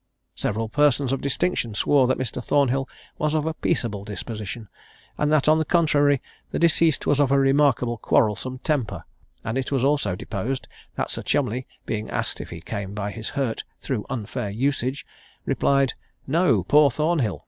Several persons of distinction swore that Mr. Thornhill was of a peaceable disposition, and that, on the contrary, the deceased was of a remarkably quarrelsome temper; and it was also deposed, that Sir Cholmondeley, being asked if he came by his hurt through unfair usage, replied, "No; poor Thornhill!